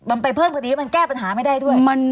มันไปเพิ่มพอดีแล้วมันแก้ปัญหาไม่ได้ด้วย